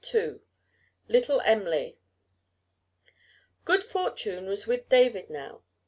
II LITTLE EM'LY Good fortune was with David now.